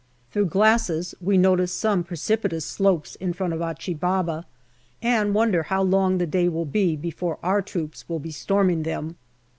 Through glasses we notice some pre cipitous slopes in front of Achi Baba, and wonder how long the day will be before our troops will be storming them.